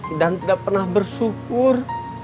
idan tidak pernah bersyukur